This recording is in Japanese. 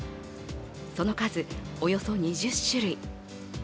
その数、およそ２０種類。